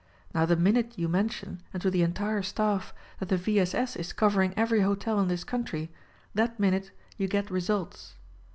Now the minute you mention, and to the entire staff, that the V. S. S. is covering every hotel in this country, that minute you get results.